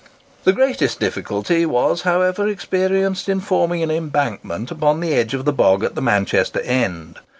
The greatest difficulty was, however, experienced in forming an embankment upon the edge of the bog at the Manchester end.